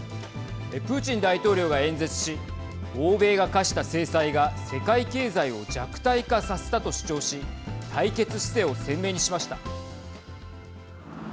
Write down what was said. プーチン大統領が演説し欧米が科した制裁が世界経済を弱体化させたと主張し対決姿勢を鮮明にしました。